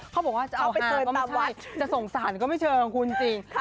เขาบอกว่าจะเอาหาก็ไม่ใช่จะสงสันก็ไม่เชิงคุณจริงค่ะ